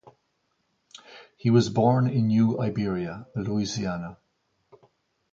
He was born in New Iberia, Louisiana.